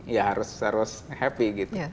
ya harus happy gitu